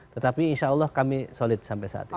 tetapi insyaallah kami solid sampai saat ini